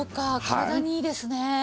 体にいいですね。